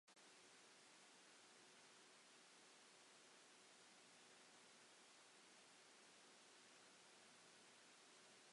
Cyn hir bydd dau ar yr ystyllen groes, mewn trol glonciog, ar ffordd Llanfyllin.